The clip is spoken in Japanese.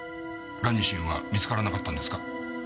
ラニシンは見つからなかったんですか？